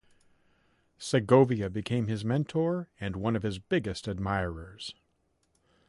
Segovia became his mentor and one of his biggest admirers.